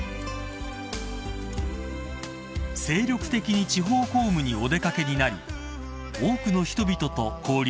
［精力的に地方公務にお出掛けになり多くの人々と交流されました］